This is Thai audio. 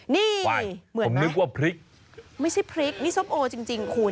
นี่เหมือนผมนึกว่าพริกไม่ใช่พริกนี่ส้มโอจริงคุณ